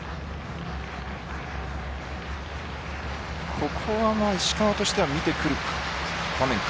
ここは石川としては見てくる場面か。